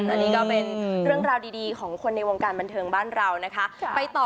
อันนี้ก็เป็นเรื่องราวดีของคนในวงการบันเทิงบ้านเรานะคะ